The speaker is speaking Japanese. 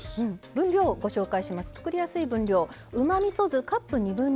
分量をご紹介します。